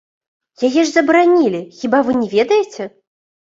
Яе ж забаранілі, хіба вы не ведаеце?!